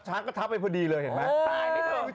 ช้างก็ทับไปพอดีเลยเห็นมั้ย